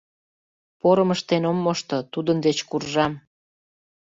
Порым ыштен ом мошто Тудын деч куржам.